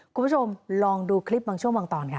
คุณผู้ชมลองดูคลิปบางช่วงบางตอนค่ะ